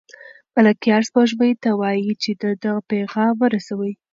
ملکیار سپوږمۍ ته وايي چې د ده پیغام ورسوي.